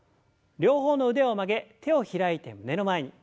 両方の腕を曲げ手を開いて胸の前に。